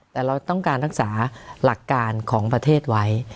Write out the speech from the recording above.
แต่เราต้องการรักษาหลักการของประเทศไว้